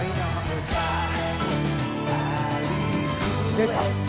出た。